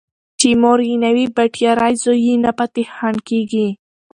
چې مور یې نه وي بټيارۍ زوی يې نه فتح خان کيږي